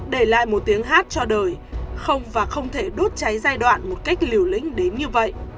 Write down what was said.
để lại một tiếng hát cho đời không và không thể đốt cháy giai đoạn một cách liều lĩnh đến như vậy